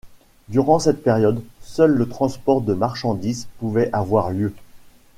Durant cette période, seul le transport de marchandises pouvait avoir lieu.